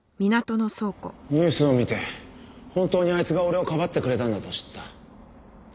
ニュースを見て本当にあいつが俺をかばってくれたんだと知った。